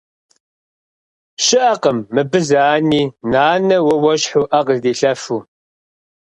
Щыӏэкъым мыбы зы ани, нанэ, уэ уэщхьу ӏэ къыздилъэфу.